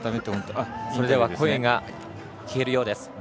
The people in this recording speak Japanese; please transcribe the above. それでは、声が聞けるようです。